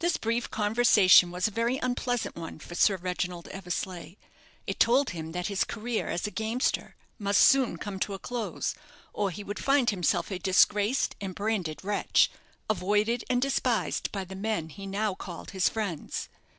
This brief conversation was a very unpleasant one for Sir Reginald Eversleigh. It told him that his career as a gamester must soon come to a close, or he would find himself a disgraced and branded wretch, avoided and despised by the men he now called his friends.